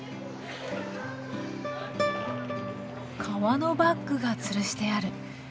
革のバッグがつるしてある。